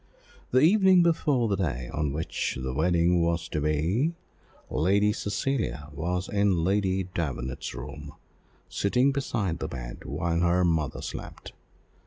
The evening before the day on which the wedding was to be, Lady Cecilia was in Lady Davenant's room, sitting beside the bed while her mother slept.